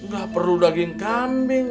gak perlu daging kambing